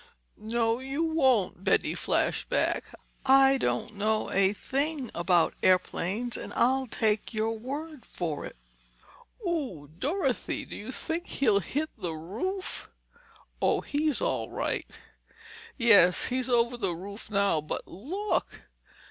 "No, you won't," Betty flashed back. "I don't know a thing about airplanes, and I'll take your word for it. Ooh, Dorothy—do you think he'll hit the roof?" "Oh, he's all right—" "Yes, he's over the roof now—but look!"